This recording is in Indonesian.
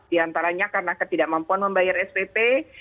di antaranya karena ketidakmampuan membayar spp